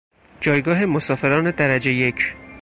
جایگاه مسافران درجه یک